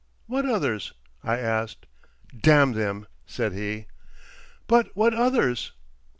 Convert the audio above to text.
"What others?" I asked. "Damn them!" said he. "But what others?"